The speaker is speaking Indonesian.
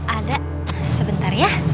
ada sebentar ya